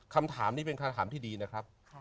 คำถามนี้เป็นคำถามที่ดีนะครับ